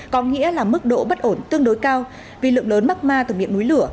có nghĩa là mức độ bất ổn tương đối cao vì lượng lớn mắc ma từ miệng núi lửa